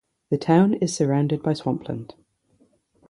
The Town is surrounded by swampland.